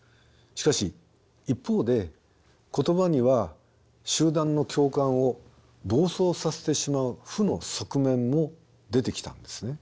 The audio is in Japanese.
しかし一方で言葉には集団の共感を暴走させてしまう負の側面も出てきたんですね。